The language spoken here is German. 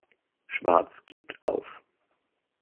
Schwarz gibt auf.